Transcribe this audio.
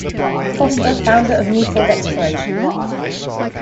Foster, founder of Newfield Exploration.